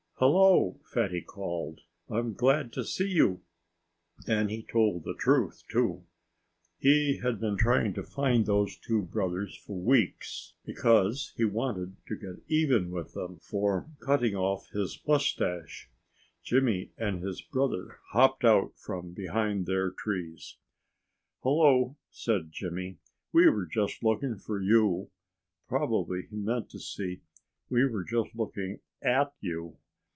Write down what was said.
"Hello!" Fatty called. "I'm glad to see you." And he told the truth, too. He had been trying to find those two brothers for weeks, because he wanted to get even with them for cutting off his moustache. Jimmy and his brother hopped out from behind their trees. "Hello!" said Jimmy. "We were just looking for you." Probably he meant to say, "We were just looking AT you."